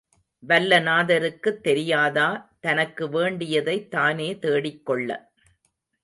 வல்லநாதருக்குத் தெரியாதா தனக்கு வேண்டியதைத் தானே தேடிக் கொள்ள.